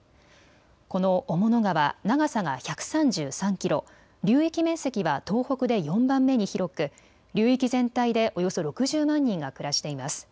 この雄物川、長さが１３３キロ、流域面積は東北で４番目に広く流域全体でおよそ６０万人が暮らしています。